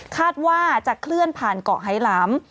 คาดว่าจะเคลื่อนผ่านเกาะไฮหลาม